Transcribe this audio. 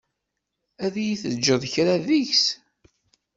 Ad yi-teǧǧeḍ kra deg-s?